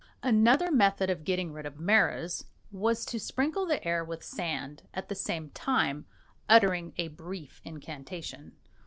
Another method of getting rid of maras was to sprinkle the air with sand, at the same time uttering a brief incantation.